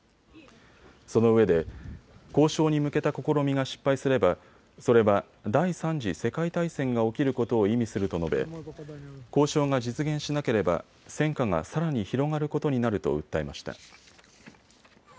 そのうえで交渉に向けた試みが失敗すればそれは第３次世界大戦が起きることを意味すると述べ、交渉が実現しなければ戦火がさらに広がることになると訴えました。